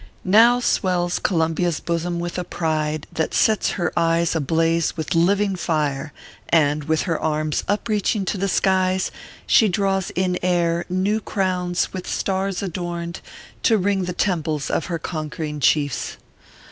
Now swells Columbia s bosom with a pride, that sets her eyes ablaze with living fire ;, and, with her arms upreaching to the skies, she draws in air new crowns with stars adorned, to ring the temples of her conquering chiefs.